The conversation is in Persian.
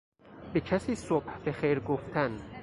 به کسی صبح بخیر گفتن